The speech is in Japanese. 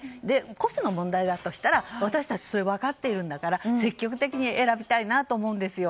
コストの問題だとしたら私たちそれが分かってるんだから積極的に選びたいなと思うんですよ。